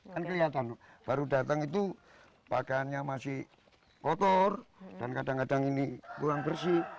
kan kelihatan baru datang itu pakaiannya masih kotor dan kadang kadang ini kurang bersih